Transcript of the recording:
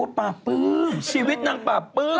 อู้ปลาปื้มชีวิตนางปาปื้ม